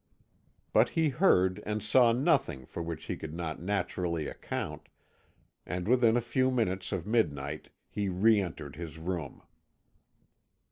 But he heard and saw nothing for which he could not naturally account, and within a few minutes of midnight he re entered his room.